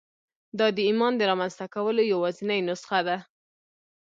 دا د ایمان د رامنځته کولو یوازېنۍ نسخه ده